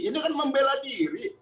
ini kan membela diri